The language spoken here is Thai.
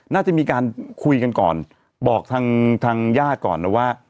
น่าจะมีการคุยกันก่อนบอกทางทางญาติก่อนนะว่า